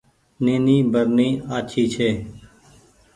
نيني برني آڇي ڇي۔